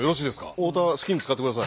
太田好きに使って下さい。